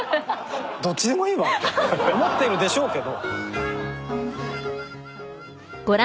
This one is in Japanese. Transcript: どっちでもいいわって思ってるでしょうけど。